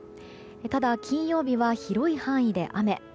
ただ、金曜日は広い範囲で雨。